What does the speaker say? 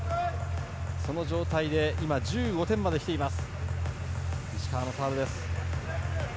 その状態で今、１５点まで来ています。